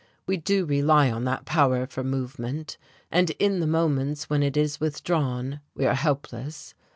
We do rely on that power for movement and in the moments when it is withdrawn we are helpless.